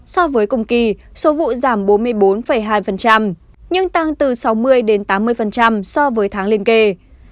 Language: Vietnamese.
so với cùng kỳ số vụ giảm bốn mươi bốn hai nhưng tăng từ sáu mươi đến tám mươi so với tháng liên kề